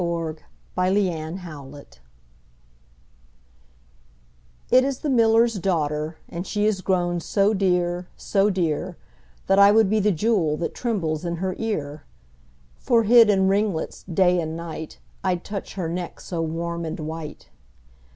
The Miller's Daughter IT is the miller's daughter, And she is grown so dear, so dear, That I would be the jewel That trembles in her ear: For hid in ringlets day and night, 5 I'd touch her neck so warm and white.